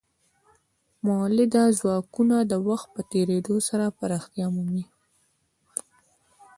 مؤلده ځواکونه د وخت په تیریدو سره پراختیا مومي.